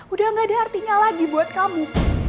udah gak ada artinya lagi buat kamu